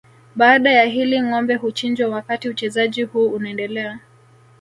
Baada ya hili ngombe huchinjwa wakati uchezaji huu unaendelea